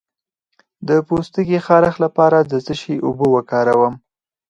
د پوستکي خارښ لپاره د څه شي اوبه وکاروم؟